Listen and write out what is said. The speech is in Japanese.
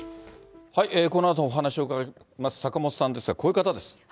このあと、お話を伺います、坂本さんですが、こういう方です。